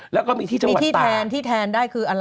แล้วก็มีที่จะมีที่แทนที่แทนได้คืออะไร